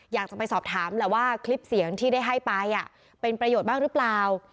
อยากจะไปสอบถามแหละว่าคลิปเสียงที่ได้ให้ไปเป็นประโยชน์บ้างหรือเปล่า